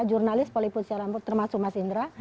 jurnalis poliput siar rambut termasuk mas indra